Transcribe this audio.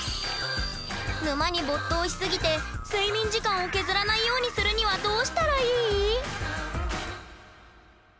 沼に没頭しすぎて睡眠時間を削らないようにするにはどうしたらいい？